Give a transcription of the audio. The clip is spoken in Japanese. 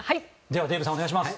ではデーブさんお願いします。